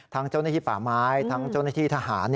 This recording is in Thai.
เจ้าหน้าที่ป่าไม้ทั้งเจ้าหน้าที่ทหาร